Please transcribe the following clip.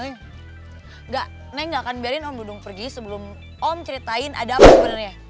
neng gak akan biarin om dudung pergi sebelum om ceritain ada apa sebenarnya